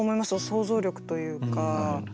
想像力というか。